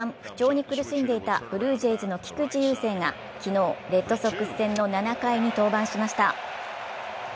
シーズン後半、不調に苦しんでいたブルージェイズの菊池雄星が昨日、レッドソックス戦の７回に登板しました。